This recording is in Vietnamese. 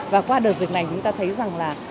và qua đợt dịch này chúng ta thấy rằng là